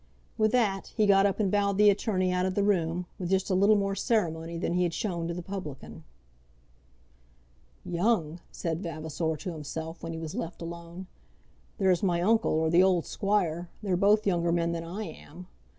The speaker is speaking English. With that, he got up and bowed the attorney out of the room, with just a little more ceremony than he had shown to the publican. "Young!" said Vavasor to himself, when he was left alone. "There's my uncle, or the old squire, they're both younger men than I am.